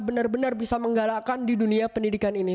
benar benar bisa menggalakkan di dunia pendidikan ini